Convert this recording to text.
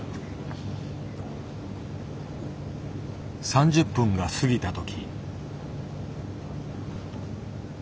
３０分が過ぎた時。